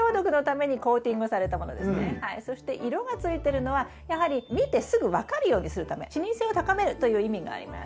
そして色がついてるのはやはり見てすぐ分かるようにするため視認性を高めるという意味があります。